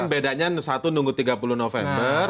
bedanya satu nunggu tiga puluh november